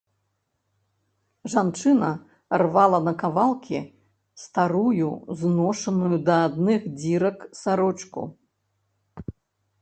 Жанчына рвала на кавалкі старую, зношаную да адных дзірак сарочку.